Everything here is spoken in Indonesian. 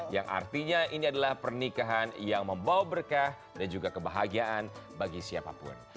yang artinya ini adalah pernikahan yang membawa berkah dan juga kebahagiaan bagi siapapun